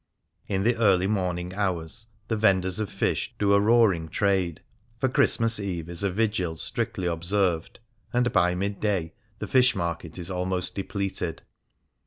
In the early morning hours the vendors of fish do a roaring trade, for Christmas Eve is a vigil strictly observed, and by midday the Fishmarket is almost de pleted.